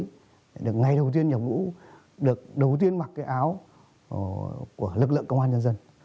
ngày đầu tiên nhập ngũ được đầu tiên mặc cái áo của lực lượng công an nhân dân